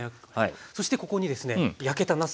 そしてここにですね焼けたなすが。